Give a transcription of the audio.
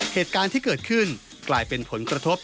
เหตุการณ์ที่เกิดขึ้นกลายเป็นผลกระทบ